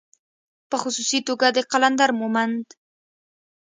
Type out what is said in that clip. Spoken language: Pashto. په خصوصي توګه د قلندر مومند